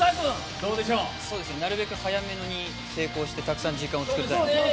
なるべく早めに成功して、たくさん時間を作りたいと思います。